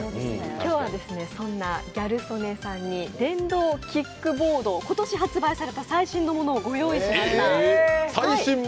今日はそんなギャル曽根さんに電動キックボード、今年発売された最新のものを御用意しました。